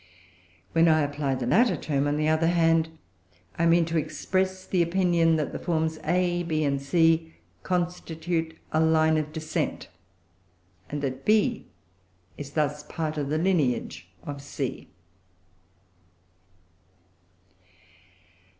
When I apply the latter term, on the other hand, I mean to express the opinion that the forms A, B, and C constitute a line of descent, and that B is thus part of the lineage of C.